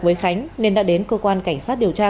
với khánh nên đã đến cơ quan cảnh sát điều tra